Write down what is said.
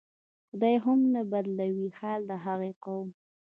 "خدای هم نه بدلوي حال د هغه قوم".